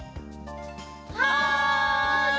はい！